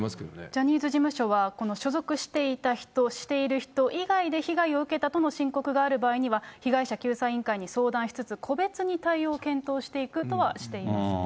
ジャニーズ事務所は、この所属していた人、している人以外で被害を受けたと申告がある場合には、被害者救済委員会に相談しつつ、個別に対応を検討していくとはしていますね。